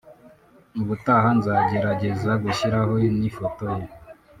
ubutaha nzagerageza gushyiraho n’ifoto ye